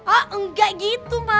oh enggak gitu ma